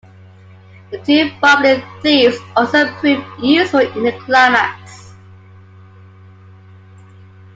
The two bumbling thieves also prove useful in the climax.